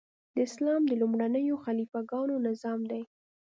د اسلام د لومړنیو خلیفه ګانو نظام دی.